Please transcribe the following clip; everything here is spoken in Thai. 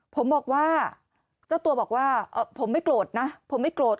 ผมบอกว่าเจ้าตัวบอกว่าผมไม่โกรธนะผมไม่โกรธ